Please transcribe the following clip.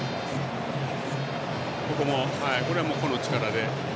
これも個の力で。